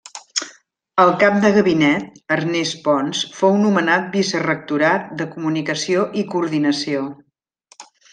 El cap de gabinet, Ernest Pons, fou nomenat vicerectorat de Comunicació i Coordinació.